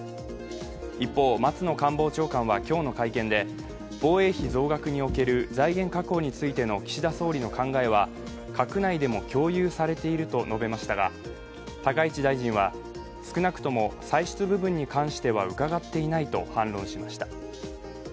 一方、松野官房長官は今日の会見で防衛費増額における財源確保についての岸田総理の考えは、閣内でも共有されていると述べましたが、高市大臣は、少なくとも歳出部分に関しては伺っていないと反論しました。